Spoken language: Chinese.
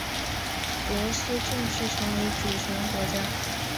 罗斯正式成为主权国家。